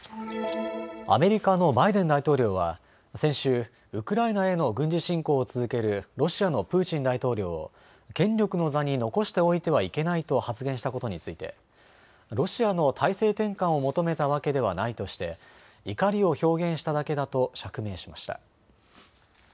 アメリカのバイデン大統領は先週、ウクライナへの軍事侵攻を続けるロシアのプーチン大統領を権力の座に残しておいてはいけないと発言したことについてロシアの体制転換を求めたわけではないとして怒りを表現しただけだと釈明しました。